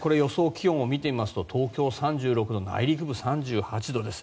気温を見てみますと東京３６度内陸部、３８度です。